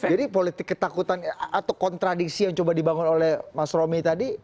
jadi politik ketakutan atau kontradiksi yang coba dibangun oleh mas romy tadi